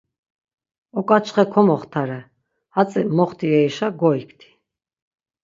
Oǩaçxe komoxtare, hatzi moxti yerişa goikti.